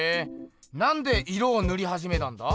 なんで色をぬりはじめたんだ？